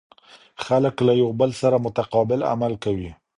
خلک له یو بل سره متقابل عمل کوي.